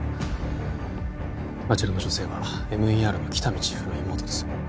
あちらの女性はＭＥＲの喜多見チーフの妹です